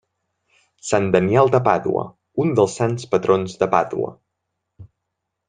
Sant Daniel de Pàdua –un dels sants patrons de Pàdua–.